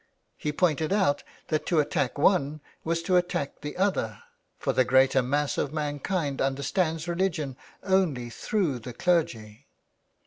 He pointed out that to attack one was .to attack the other, for the greater mass of mankind understands religion only through the clergy.